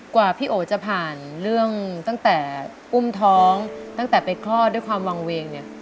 กว่าพี่โอจะผ่านเรื่องตั้งแต่อุ้มท้องตั้งแต่ไปคลอดด้วยความวางเวงเนี่ย